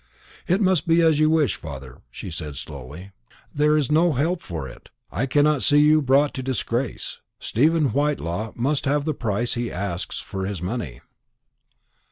"It must be as you wish, father," she said slowly; "there is no help for it; I cannot see you brought to disgrace. Stephen Whitelaw must have the price he asks for his money."